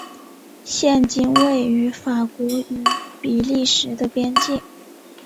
现今位于法国与比利时的边界。